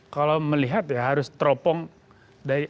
kalau melihat ya harus teropong dari